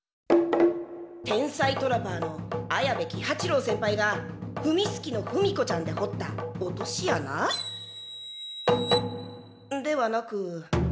天才トラパーの綾部喜八郎先輩がふみすきの踏子ちゃんでほった落としあな？ではなく。